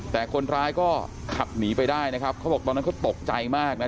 แต่คนร้ายก็ขับหนีไปได้นะครับเขาบอกตอนนั้นเขาตกใจมากนะ